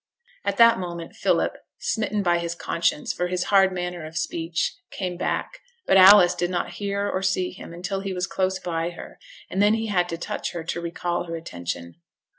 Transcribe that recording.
At that moment Philip, smitten by his conscience for his hard manner of speech, came back; but Alice did not hear or see him till he was close by her, and then he had to touch her to recall her attention.